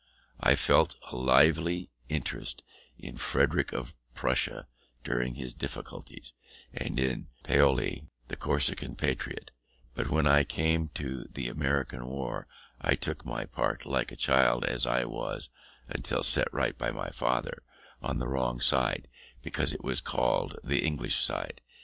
I felt a lively interest in Frederic of Prussia during his difficulties, and in Paoli, the Corsican patriot; but when I came to the American War, I took my part, like a child as I was (until set right by my father) on the wrong side, because it was called the English side.